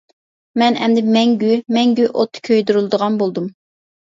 مەن ئەمدى مەڭگۈ، مەڭگۈ ئوتتا كۆيدۈرۈلىدىغان بولدۇم.